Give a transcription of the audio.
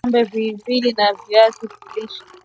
Maji Vikombe mbili vya kupikia viazi lishe